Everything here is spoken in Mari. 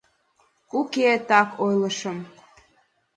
Уке, так ойлышым...